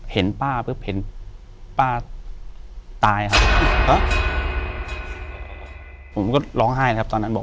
เห็นป้าปุ๊บเห็นป้าตายครับผมก็ร้องไห้นะครับตอนนั้นบอก